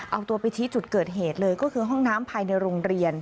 เอาตัวไปชี้จุดเกิดเหตุเลยก็คือห้องน้ำภายในโรงเรียน